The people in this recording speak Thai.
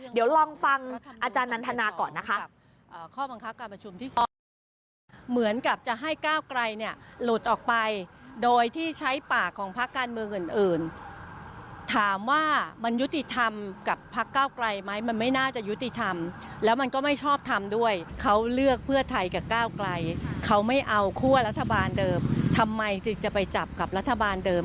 เดี๋ยวลองฟังอาจารย์นันทนาก่อนนะคะ